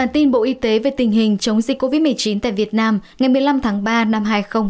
tình hình dịch covid một mươi chín tại việt nam ngày một mươi năm tháng ba năm hai nghìn hai mươi hai